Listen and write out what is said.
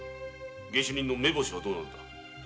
下手人の目星はどうなのだ？